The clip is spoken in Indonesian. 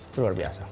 itu luar biasa